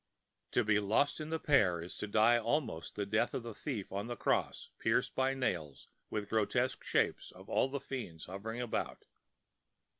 To be lost in the pear is to die almost the death of the thief on the cross, pierced by nails and with grotesque shapes of all the fiends hovering about.